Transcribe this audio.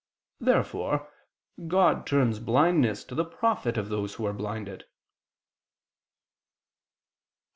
Therefore God turns blindness to the profit of those who are blinded. Obj.